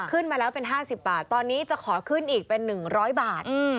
ขึ้นมาแล้วเป็น๕๐บาทตอนนี้จะขอขึ้นอีกเป็น๑๐๐บาท